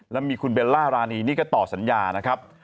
แล้วมีคุณเบลล่ารานีนี่ก็ต่อสัญญานะครับ